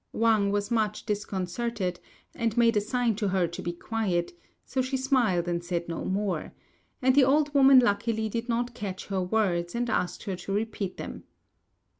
Wang was much disconcerted, and made a sign to her to be quiet, so she smiled and said no more; and the old woman luckily did not catch her words, and asked her to repeat them.